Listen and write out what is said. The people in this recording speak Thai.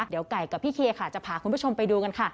เดี๋ยวไก่กับพี่เคียค่ะจะพาคุณผู้ชมไปดูกันค่ะ